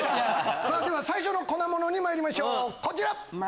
最初の粉ものにまいりましょうこちら！